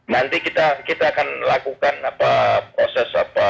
nanti kita akan lakukan proses apa